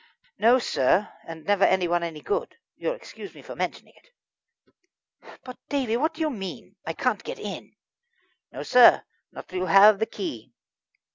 "No, sir, and never anyone any good. You'll excuse me for mentioning it." "But, Davie, what do you mean? I can't get in?" "No, sir, not till you have the key."